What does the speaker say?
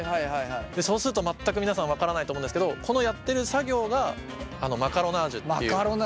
そうすると全く皆さん分からないと思うんですけどこのやってる作業がこの作業をマカロナージュっていうんだ。